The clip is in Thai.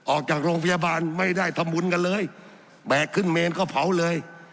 ออกจากโรงพยาบาลไม่ได้ทำบุญกันเลยแบกขึ้นเมนก็เผาเลย